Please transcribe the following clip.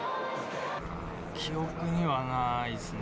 記憶にはないですね。